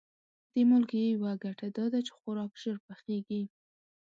د مالګې یوه ګټه دا ده چې خوراک ژر پخیږي.